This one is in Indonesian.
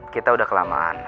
kita udah kelamaan